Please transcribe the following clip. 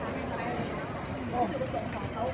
พี่แม่ที่เว้นได้รับความรู้สึกมากกว่า